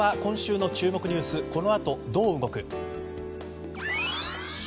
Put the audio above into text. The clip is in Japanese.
ここからは今週の注目ニュースこの後どう動く？